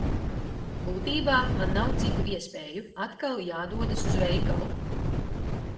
Būtībā man nav citu iespēju – atkal jādodas uz veikalu.